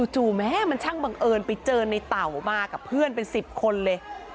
แม้มันช่างบังเอิญไปเจอในเต่ามากับเพื่อนเป็น๑๐คนเลย